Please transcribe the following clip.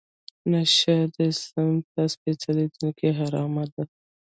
نشه د اسلام په سپیڅلي دین کې حرامه ده.